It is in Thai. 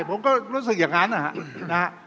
ผมก็รู้สึกอย่างนั้นนะฮะ